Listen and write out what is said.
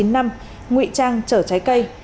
ngụy trang trở trái cây